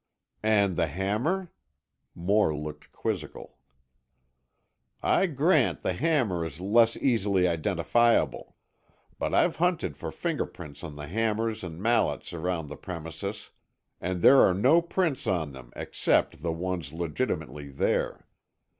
"And the hammer?" Moore looked quizzical. "I grant the hammer is less easily identifiable. But I've hunted for fingerprints on the hammers and mallets around the premises, and there are no prints on them except the ones legitimately there.